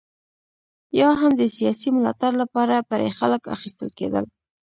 یا هم د سیاسي ملاتړ لپاره پرې خلک اخیستل کېدل.